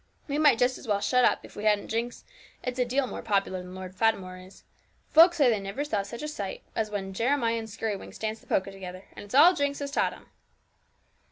We might just as well shut up, if we hadn't Jinx; it's a deal more popular than Lord Fatimore is folks say they never saw such a sight as when Jeremiah and Skirrywinks dance the polka together; and it's all Jinx that has taught them.'